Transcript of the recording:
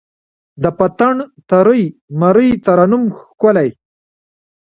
د پتڼ ترۍ، مرۍ ترنم ښکلی